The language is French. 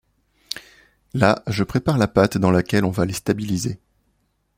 Là, je prépare la pâte dans laquelle on va les stabiliser.